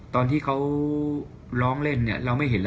ตอนที่เขาร้องเล่นเนี่ย